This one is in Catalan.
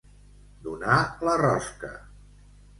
Donar la rosca.